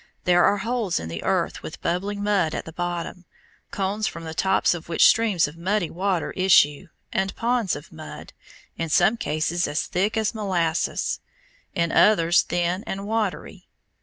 There are holes in the earth with bubbling mud at the bottom, cones from the tops of which streams of muddy water issue, and ponds of mud, in some cases as thick as molasses, in others thin and watery.